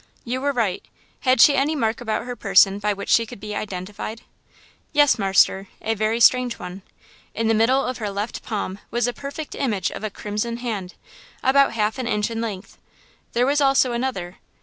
"You were right. Had she any mark about her person by which she could be identified?" "Yes, marster, a very strange one. In the middle of her left palm was the perfect image of a crimson hand, about half an inch in length. There was also another.